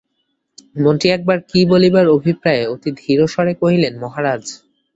মন্ত্রী একবার কী বলিবার অভিপ্রায়ে অতি ধীরস্বরে কহিলেন, মহারাজ।